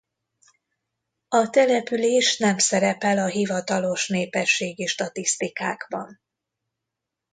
A település nem szerepel a hivatalos népességi statisztikákban.